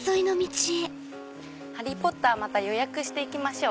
『ハリー・ポッター』また予約して行きましょう。